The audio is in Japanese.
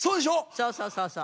そうそうそうそう。